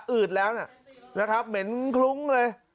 ืดแล้วนะครับเหม็นคลุ้งเลย